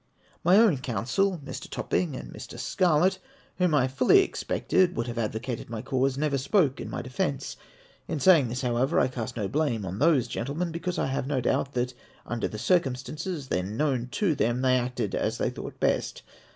My own counsel, Mr. Topping and Mr. Scarlett, whom I fully expected would have advocated my cause, never spoke in my defence. In saying this, however, I cast no blame on those gentlemen, because I have no doubt that, under the circumstances then known to them, they acted as they thought best.